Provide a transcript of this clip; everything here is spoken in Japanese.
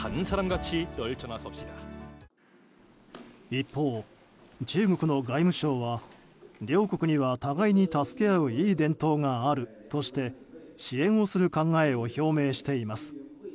一方、中国の外務省は両国には互いに助け合ういい伝統があるとして支援をする考えを表明しています。